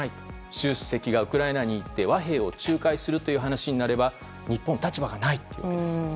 習主席がウクライナに行って和平を仲介するという話になれば、日本は立場がないということです。